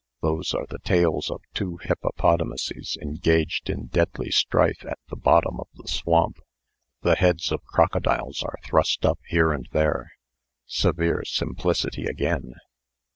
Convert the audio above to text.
Those are the tails of two hippopotamuses engaged in deadly strife at the bottom of the swamp. The heads of crocodiles are thrust up here and there. Severe simplicity again."